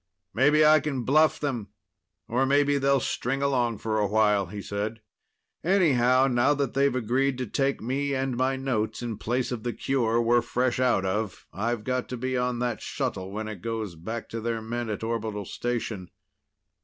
"Maybe I can bluff them, or maybe they'll string along for a while," he said. "Anyhow, now that they've agreed to take me and my notes in place of the cure we're fresh out of, I've got to be on that shuttle when it goes back to their men at orbital station."